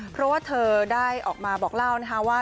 เพราะว่าเธอได้ออกมาบอกเล่านะคะว่า